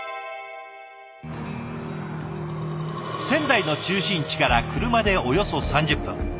仙台の中心地から車でおよそ３０分。